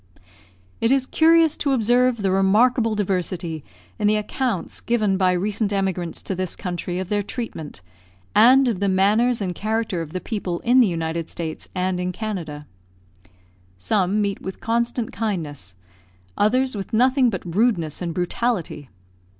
It is curious to observe the remarkable diversity in the accounts given by recent emigrants to this country of their treatment, and of the manners and character of the people in the United States and in Canada. Some meet with constant kindness, others with nothing but rudeness and brutality.